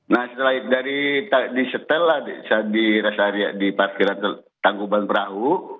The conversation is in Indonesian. nah setelah disetel lah di raksasa di parkiran tangguban perahu